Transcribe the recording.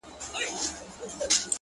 زما زړه هم افغانستان سو نه جوړېږي اشنا-